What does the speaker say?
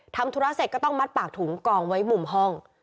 ทำธุระเสร็จก็ต้องมัดปากถุงกองไว้มุมห้อง